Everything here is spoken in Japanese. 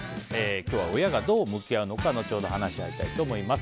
今日は、親はどう向き合うのか後ほど話し合いたいと思います。